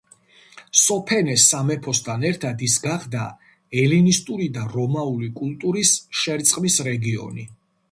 სოფენეს სამეფოსთან ერთად ის გახდა ელინისტური და რომაული კულტურის შერწყმის რეგიონი.